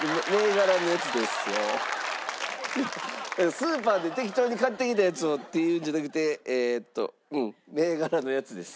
スーパーで適当に買ってきたやつをっていうんじゃなくてえーっとうん。